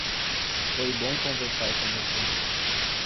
Foi bom conversar com você.